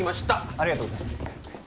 ありがとうございます